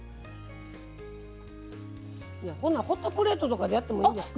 ホットプレートとかでやってもいいんですか？